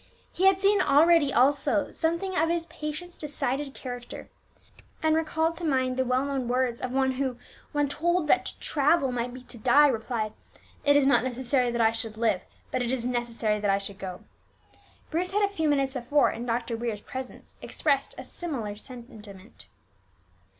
He had seen already also something of his patient's decided character, and recalled to mind the well known words of one who, when told that to travel might be to die, replied, "It is not necessary that I should live, but it is necessary that I should go." Bruce had a few minutes before in Dr. Weir's presence, expressed a similar sentiment.